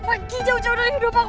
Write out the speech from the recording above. pak gie jauh jauh dari hidup aku